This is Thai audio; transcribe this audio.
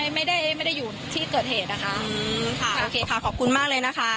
ไม่ได้ไม่ได้อยู่ที่เกิดเหตุนะคะอืมค่ะโอเคค่ะขอบคุณมากเลยนะคะ